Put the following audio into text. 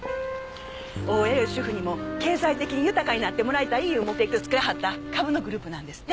ＯＬ主婦にも経済的に豊かになってもらいたいいう目的でつくらはった株のグループなんですって。